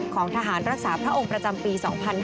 ของทหารรักษาพระองค์ประจำปี๒๕๕๙